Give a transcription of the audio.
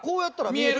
見える。